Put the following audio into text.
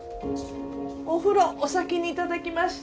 お風呂お先にいただきました。